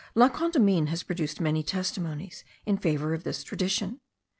La Condamine has produced many testimonies in favour of this tradition.